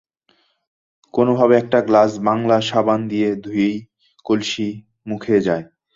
কোনো ভাবে একটা গ্লাস বাংলা সাবান দিয়ে ধুয়েই কলসি মুখে যায়।